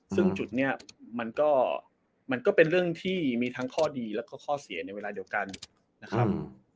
ซึ่งจุดนี้มันก็มันก็เป็นเรื่องที่มีทั้งข้อดีแล้วก็ข้อเสียในเวลาเดียวกันนะครับ